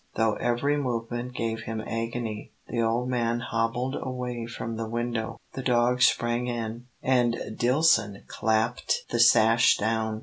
Though every movement gave him agony, the old man hobbled away from the window. The dog sprang in, and Dillson clapped the sash down.